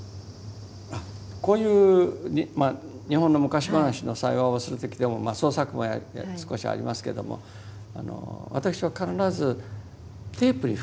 こういう日本の昔話の再話をする時でも創作も少しありますけども私は必ずテープに吹き込んで読みます。